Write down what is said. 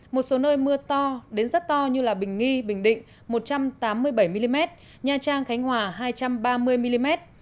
một số nơi mưa to đến rất to như bình nghi bình định một trăm tám mươi bảy mm nha trang khánh hòa hai trăm ba mươi mm